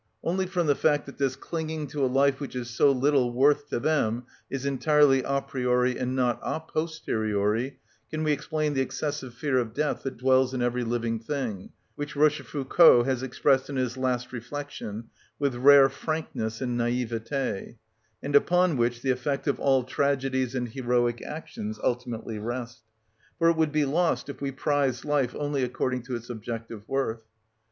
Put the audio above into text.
Only from the fact that this clinging to a life which is so little worth to them is entirely a priori and not a posteriori can we explain the excessive fear of death that dwells in every living thing, which Rochefoucauld has expressed in his last reflection, with rare frankness and naïveté, and upon which the effect of all tragedies and heroic actions ultimately rest, for it would be lost if we prized life only according to its objective worth.